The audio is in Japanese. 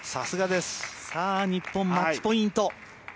日本、マッチポイント。